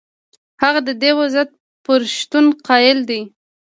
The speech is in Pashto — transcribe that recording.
هغه د دې وضعیت پر شتون قایل دی.